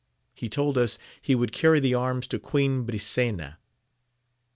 He told us, he would carry the arms to Queen Brisena.